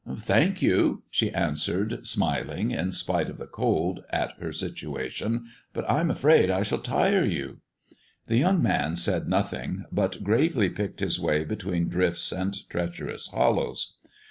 "Thank you," she answered smiling, in spite of the cold, at her situation: "but I'm afraid I shall tire you!" The young man said nothing, but gravely picked his way between drifts and treacherous hollows.